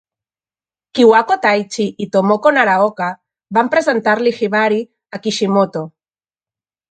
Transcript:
Kiwako Taichi i Tomoko Naraoka van presentar-li Hibari a Kishimoto.